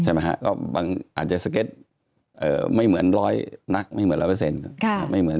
อาจจะสเก็ตไม่เหมือนร้อยนักไม่เหมือนละเปอร์เซ็นต์